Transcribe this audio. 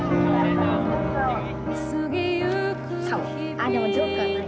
あでもジョーカーない。